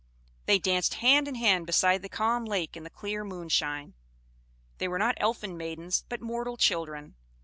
They danced hand in hand beside the calm lake in the clear moonshine. They were not elfin maidens, but mortal children.